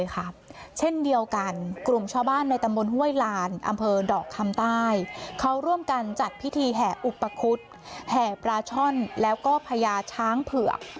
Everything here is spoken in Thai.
เขาร่วมกันจัดพิธีแห่อุปกรุษแห่ปลาช่อนแล้วก็พญาช้างเผือก